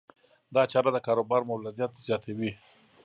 دا چاره د کاروبار مولدیت زیاتوي.